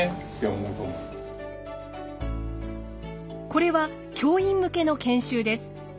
これは教員向けの研修です。